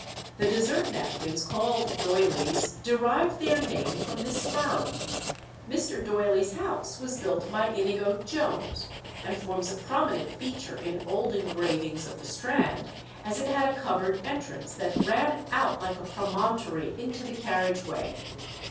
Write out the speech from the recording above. The dessert napkins called Doyleys derived their name from this firm. Mr. Doyley's house was built by Inigo Jones, and forms a prominent feature in old engravings of the Strand, as it had a covered entrance that ran out like a promontory into the carriage way.